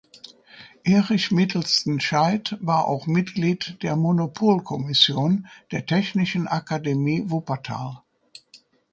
Erich Mittelsten Scheid war auch Mitglied der "Monopolkommission" der Technischen Akademie Wuppertal.